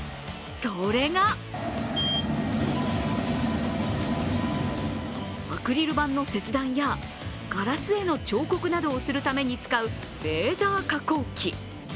それがアクリル板の切断やガラスへの彫刻などをするために使うレーザー加工機。